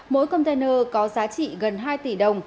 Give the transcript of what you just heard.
mỗi container có giá trị gần hai tỷ đồng